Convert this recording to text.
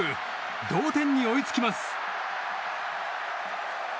同点に追いつきます。